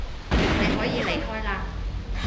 你可以離開嘞